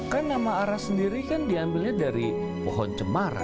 kan nama ara sendiri kan diambilnya dari pohon cemara